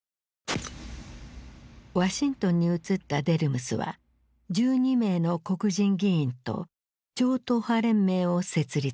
ワシントンに移ったデルムスは１２名の黒人議員と超党派連盟を設立する。